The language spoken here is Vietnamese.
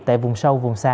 tại vùng sâu vùng xa